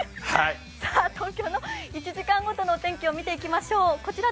東京の１時間ごとの天気を見ていきましょう。